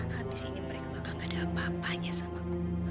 habis ini mereka bakal gak ada apa apanya samaku